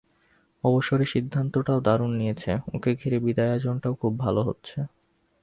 অবসরের সিদ্ধান্তটাও দারুণ নিয়েছে, ওকে ঘিরে বিদায়ী আয়োজনটাও খুব ভালো হচ্ছে।